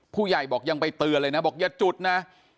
ผู้ใหญ่บอกยังไปเตือนเลยนะบอกอย่าจุดนะ